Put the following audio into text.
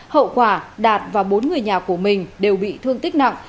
hậu quả đạt và bốn người nhà của mình đều bị thương tích nặng